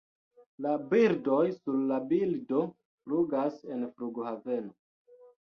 La birdoj, Sur la bildo, flugas en flughaveno.